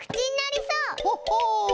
ほっほう。